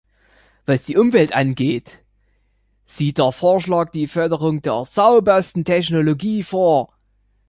Was die Umwelt angeht, sieht der Vorschlag die Förderung der saubersten Technologie vor.